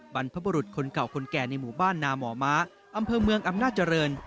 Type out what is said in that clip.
บรรพบุรุษคนเก่าคนแก่ในหมู่บ้านนาหมอม้าอำเภอเมืองอำนาจริง